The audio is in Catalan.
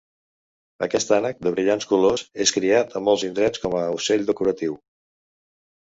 Aquest ànec de brillants colors és criat a molts indrets com a ocell decoratiu.